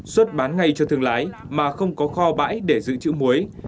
xuất bán ngay cho thương lái mà không có kho bãi để giữ chữ muối